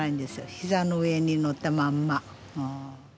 膝の上に乗ったまんま。